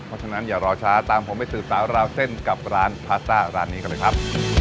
เพราะฉะนั้นอย่ารอช้าตามผมไปสืบสาวราวเส้นกับร้านพาสต้าร้านนี้กันเลยครับ